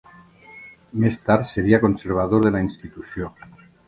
Més tard seria conservador de la institució.